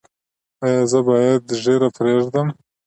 ایا زه باید ږیره پریږدم؟